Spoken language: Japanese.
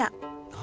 何？